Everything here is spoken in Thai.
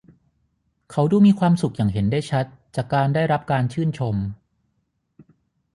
เขาดูมีความสุขอย่างเห็นได้ชัดจากการได้รับการชื่นชม